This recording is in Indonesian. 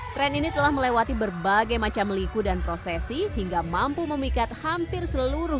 tren ini telah melewati berbagai macam liku dan prosesi hingga mampu memikat hampir seluruh